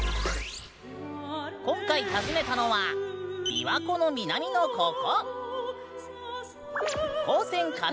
今回、訪ねたのは琵琶湖の南の、ココ。